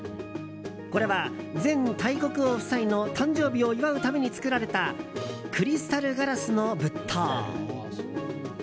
これは、前タイ国王夫妻の誕生日を祝うために造られたクリスタルガラスの仏塔。